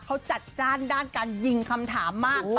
เขาจัดจ้านด้านการยิงคำถามมาก